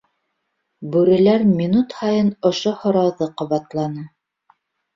— Бүреләр минут һайын ошо һорауҙы ҡабатланы.